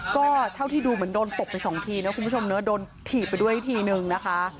ก็เท่าที่ดูเหมือนโดนตบไปสองทีนะคุณผู้ชมเนอะโดนถีบไปด้วยทีนึงนะคะ